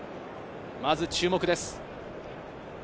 まず注目です。